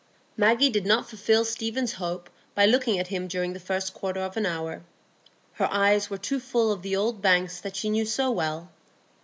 Maggie did not fulfil Stephen's hope by looking at him during the first quarter of an hour; her eyes were too full of the old banks that she knew so well.